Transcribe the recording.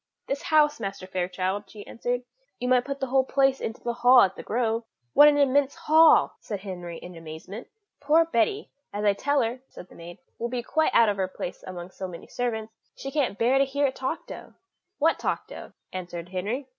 "This house, Master Fairchild," she answered; "you might put the whole place into the hall at The Grove." "What an immense hall!" said Henry in amazement. "Poor Betty, as I tell her," said the maid, "will be quite out of her place amongst so many servants; she can't bear to hear it talked of." "What talked of?" answered Henry.